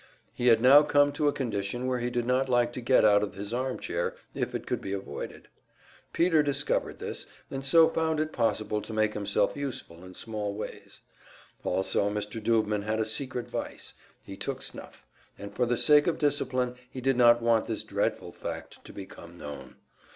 He had now come to a condition where he did not like to get out of his armchair if it could be avoided. Peter discovered this, and so found it possible to make himself useful in small ways. Also Mr. Doobman had a secret vice; he took snuff, and for the sake of discipline he did not want this dreadful fact to become known.